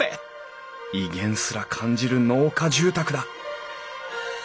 威厳すら感じる農家住宅だ